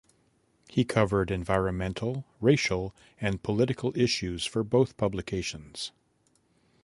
He covered environmental, racial, and political issues for both publications.